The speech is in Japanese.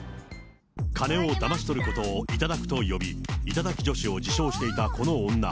金をだまし取ることを頂きと呼び、頂き女子を自称していたこの女。